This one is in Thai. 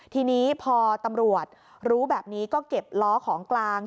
ทีนี้พอตำรวจรู้แบบนี้ก็เก็บล้อของกลาง